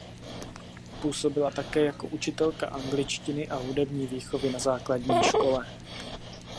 Působila také jako učitelka angličtiny a hudební výchovy na základní škole.